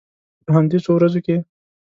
په همدې څو ورځو کې.